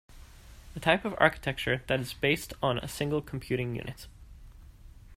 A type of architecture that is based on a single computing unit.